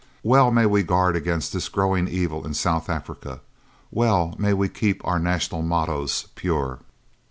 Well may we guard against this growing evil in South Africa! Well may we keep our national mottoes pure!